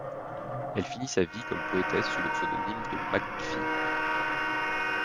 Elle finit sa vie comme poétesse sous le pseudonyme de Makhfî.